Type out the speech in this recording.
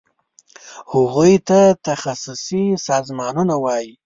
هغوی ته تخصصي سازمانونه وایي.